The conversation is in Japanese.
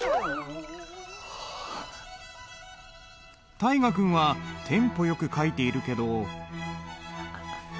大河君はテンポよく書いているけど。